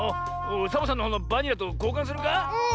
サボさんのほうのバニラとこうかんするか？